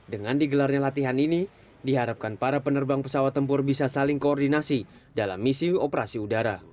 dengan digelarnya latihan ini diharapkan para penerbang pesawat tempur bisa saling koordinasi dalam misi operasi udara